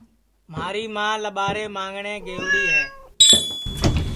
مھاری ماں لٻارے مانگٹؔیں گئوڑی ہے